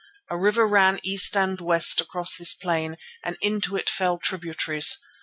A river ran east and west across this plain and into it fell tributaries.